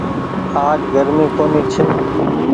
آج گرمي ڪونيٚ ڇي۔